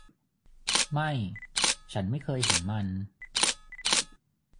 ไม่ ฉันไม่เคยเห็นมัน